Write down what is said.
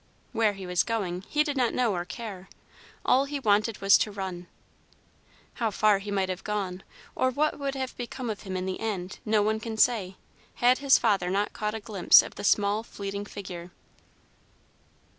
Where he was going, he did not know or care; all he wanted was to run. How far he might have gone, or what would have become of him in the end, no one can say, had his father not caught a glimpse of the small fleeting figure.